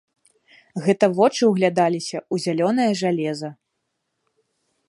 Гэта вочы ўглядаліся ў зялёнае жалеза.